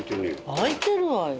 開いてるわよ。